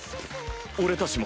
俺たちも。